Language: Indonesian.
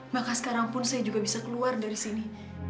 maka sekarang pun saya juga bisa keluar dari sini